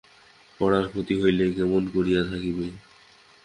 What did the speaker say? পড়ার ক্ষতি হইলে কেমন করিয়া থাকিবে।